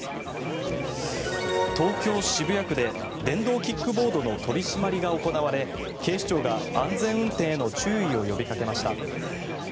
東京・渋谷区で電動キックボードの取り締まりが行われ警視庁が安全運転への注意を呼びかけました。